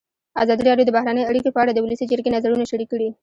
ازادي راډیو د بهرنۍ اړیکې په اړه د ولسي جرګې نظرونه شریک کړي.